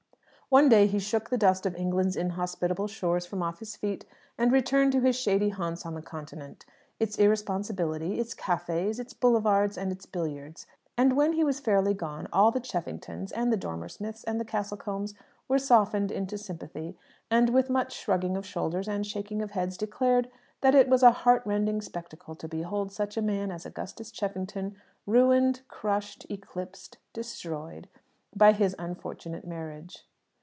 One day he shook the dust of England's inhospitable shores from off his feet, and returned to his shady haunts on the Continent its irresponsibility, its cafés, its boulevards, and its billiards. And when he was fairly gone, all the Cheffingtons, and the Dormer Smiths, and the Castlecombes were softened into sympathy; and with much shrugging of shoulders and shaking of heads declared that it was a heartrending spectacle to behold such a man as Augustus Cheffington ruined, crushed, eclipsed, destroyed by his unfortunate marriage.